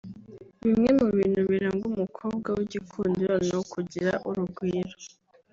Bimwe mu bintu biranga umukobwa w’igikundiro ni ukugira urugwiro